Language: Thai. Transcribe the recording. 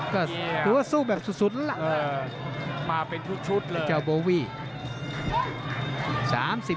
ก็คือสู้แบบสุดละมาเป็นชุดเลยเจ้าโบวี่